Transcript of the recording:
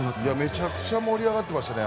めちゃめちゃ盛り上がってましたね。